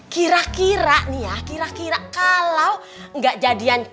kira kira nih ya kira kira kalau nggak jadian